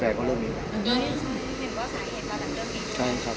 พี่อัดมาสองวันไม่มีใครรู้หรอก